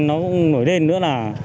nó cũng nổi lên nữa là